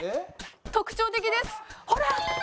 特徴的です。ほら！